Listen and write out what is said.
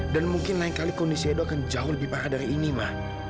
dan mungkin lain kali kondisi edo akan jauh lebih parah dari ini ma